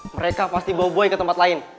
mereka pasti bawa boy ke tempat lain